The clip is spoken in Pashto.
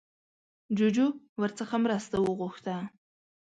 جوجو ورڅخه مرسته وغوښته